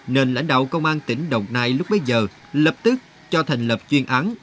nền lãnh đạo công an tỉnh đồng nai lúc bây giờ lập tức cho thành lập chuyên án